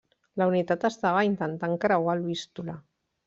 La unitat estava intentant creuar el Vístula.